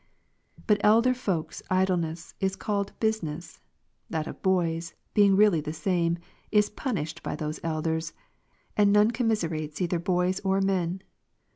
But elder folks' idleness is called "business;" that of boys, being really the same, is punished by those elders ; and none commise rates either boys or men.